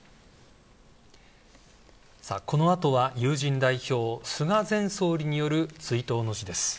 このあとは、友人代表菅前総理による追悼の辞です。